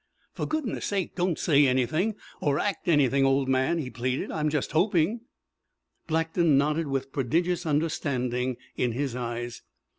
"For goodness sake don't say anything, or act anything, old man," he pleaded. "I'm just hoping." Blackton nodded with prodigious understanding in his eyes.